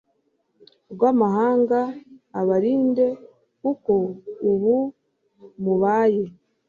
rw'amahanga, abarinde, kuko ubu mubaye